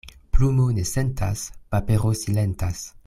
Plumo ne sentas, papero silentas.